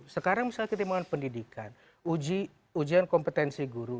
sekarang misalnya ketimbangan pendidikan ujian kompetensi guru